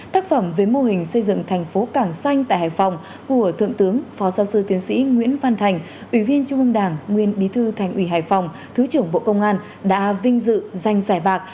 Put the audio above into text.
tác phẩm về mô hình xây dựng thành phố cảng xanh tại hải phòng của thượng tướng phó giáo sư tiến sĩ nguyễn phan thành ủy viên trung ương đảng nguyên bí thư thành ủy hải phòng thứ trưởng bộ công an đã vinh dự giành giải bạc